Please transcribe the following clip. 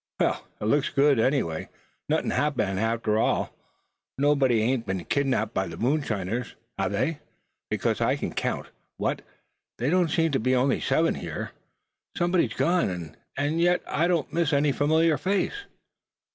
"Well, it looks good, anyway. Nothin' happened, after all. Nobody ain't been kidnapped by the moonshiners, have they, because I can count what, there don't seem to be only seven here! Somebody's gone, and yet I don't miss any familiar face."